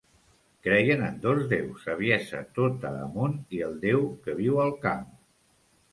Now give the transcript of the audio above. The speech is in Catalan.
Creien en dos déus, Saviesa tota Amunt i el Déu que Viu al Camp.